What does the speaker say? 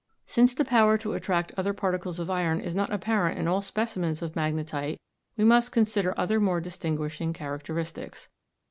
Since the power to attract other particles of iron is not apparent in all specimens of magnetite we must consider other more distinguishing characteristics.